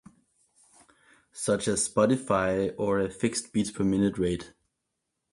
such as Spotify or a fixed beats-per-minute rate